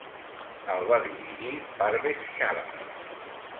El va dirigir Parvez Sharma.